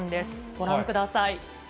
ご覧ください。